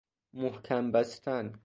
محکم بستن